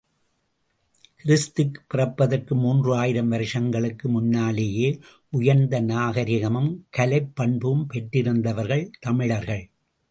கிறிஸ்து பிறப்பதற்கு மூன்று ஆயிரம் வருஷங்களுக்கு முன்னாலேயே, உயர்ந்த நாகரிகமும் கலைப் பண்பும் பெற்றிருந்தவர்கள் தமிழர்கள்.